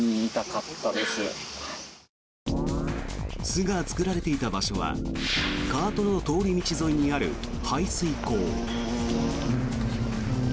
巣が作られていた場所はカートの通り道沿いにある排水溝。